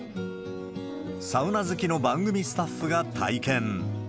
サウナ好きの番組スタッフが体験。